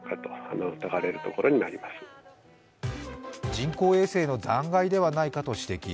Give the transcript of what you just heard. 人工衛星の残骸ではないかと指摘。